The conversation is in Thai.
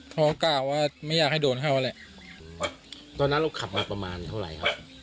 เขาก็กล้าว่าไม่อยากให้โดนเข้าแหละตอนนั้นเราขับมาประมาณเท่าไหร่ครับ